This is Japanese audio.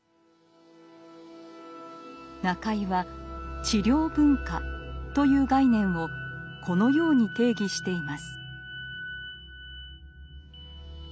中井は「治療文化」という概念をこのように定義しています。